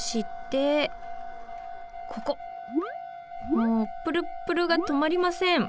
もうプルップルがとまりません！